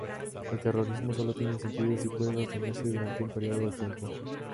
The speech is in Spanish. El terrorismo solo tiene sentido si puede sostenerse durante un período de tiempo.